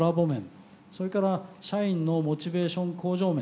それから社員のモチベーション向上面。